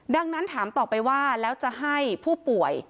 ดังนั้นถามต่อไปว่าแล้วจะให้ผู้ป่วย